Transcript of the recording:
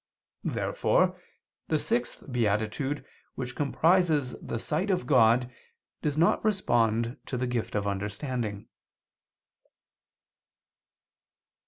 Therefore the sixth beatitude which comprises the sight of God, does not respond to the gift of understanding.